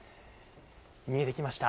見えてきました。